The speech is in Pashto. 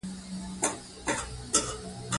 سژ کال ژمى وژد سو